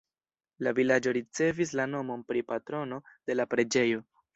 La vilaĝo ricevis la nomon pri patrono de la preĝejo.